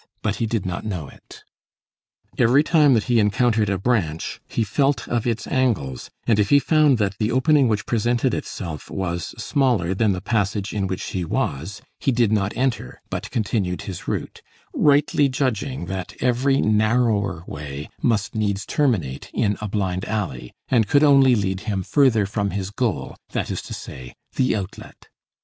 But he did not know it. Every time that he encountered a branch, he felt of its angles, and if he found that the opening which presented itself was smaller than the passage in which he was, he did not enter but continued his route, rightly judging that every narrower way must needs terminate in a blind alley, and could only lead him further from his goal, that is to say, the outlet.